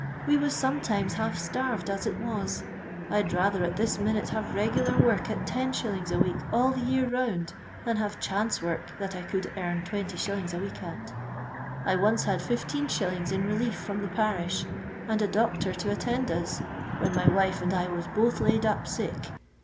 We was sometimes half starved, as it was. I 'd rather at this minute have regular work at 10s. a week all the year round, than haTe chance work that I could earn 20s. a week at I once had \bs. in relief from the parish, and a doctor to attend us, when my wife and I was both laid up sick.